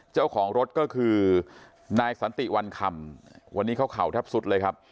เจ้าของรถก็คือนายสันติวันคำวันนี้เขาเข่าแทบสุดเลยครับ